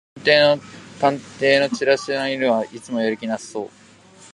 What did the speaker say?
この探偵のチラシの犬はいつもやる気なさそう